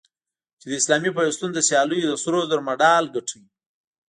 چې د اسلامي پیوستون له سیالیو د سرو زرو مډال ګټي